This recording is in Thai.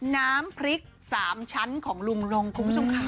น้ำพริก๓ชั้นของลุงลงคุณผู้ชมค่ะ